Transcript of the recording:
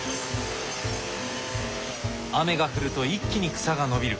雨が降ると一気に草が伸びる。